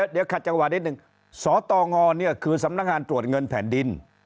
เดี๋ยวขัดจังหวะนิดนึงสตงคือสำนักงานตรวจเงินแผ่นดิน